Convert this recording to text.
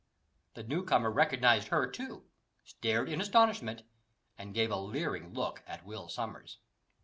The new comer recognised her too, stared in astonishment, and gave a leering look at Will Sommers.